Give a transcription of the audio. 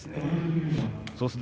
そうですね。